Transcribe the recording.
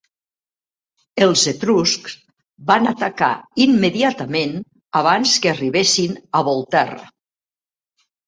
Els etruscs van atacar immediatament, abans que arribessin a Volterra.